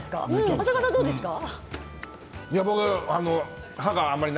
長谷川さん、どうですか？